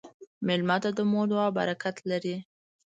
مېلمه ته د مور دعا برکت لري.